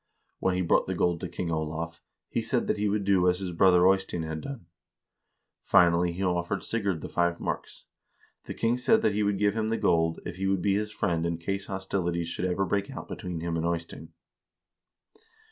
When he brought the gold to King Olav, he said that he would do as hisbrother Eystein had done. Finally he offered Sigurd the five marks. The king said that he would give him the gold, if he would be his friend in case hostilities should ever break out between him and Eystein.